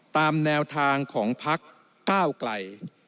ตามแนวทางของพัก๙ไกล